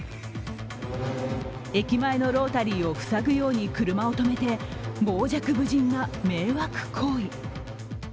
駅前のロータリーを塞ぐように車を止めて傍若無人な迷惑行為。